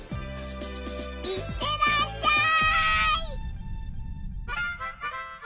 行ってらっしゃい！